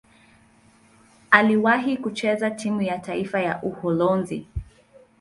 Aliwahi kucheza timu ya taifa ya Uholanzi.